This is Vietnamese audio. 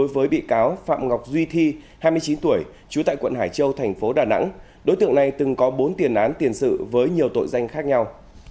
với bị cáo phạm ngọc duy thi hai mươi chín tuổi trú tại quận hải châu thành phố đà nẵng đối tượng này từng có bốn tiền án tiền sự với nhiều tội danh khác nhau